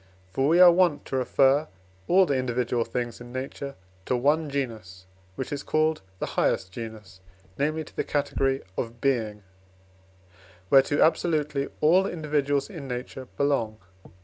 For we are wont to refer all the individual things in nature to one genus, which is called the highest genus, namely, to the category of Being, whereto absolutely all individuals in nature belong.